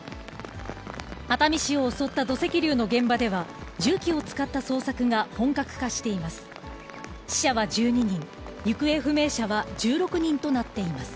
熱海市を襲った土石流の現場では、重機を使った捜索が本格化しています。